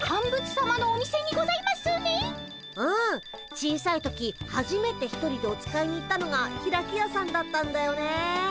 小さい時はじめて一人でお使いに行ったのがひらきやさんだったんだよね。